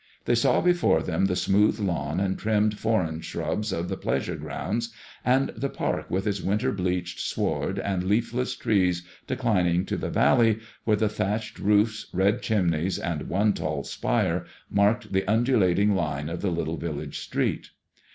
They saw before them the smooth lawn and trimmed foreign shrubs of the pleasure grounds, and the Park with its winter bleached sward and leafless trees declining to the valley where the thatched roofSy red chimneys, and one tall spire marked the undulating line of the little village street.